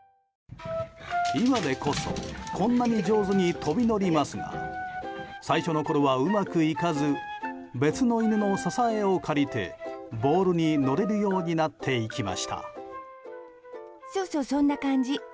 今でこそこんなに上手に飛び乗りますが最初のころは、うまくいかず別の犬の支えを借りてボールに乗れるようになっていきました。